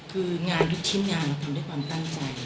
คืองานทุกชิ้นงานเราทำด้วยความตั้งใจ